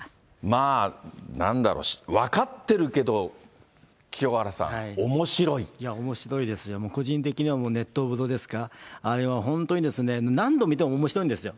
まあ、なんだろう、分かってるけど、清原さん、おもしろいですよ、個人的にはもう熱湯風呂ですか、あれは本当に何度見てもおもしろいんですよ。